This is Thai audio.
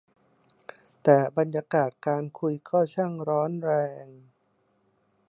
แต่บรรยากาศการคุยก็ช่างร้อนแรง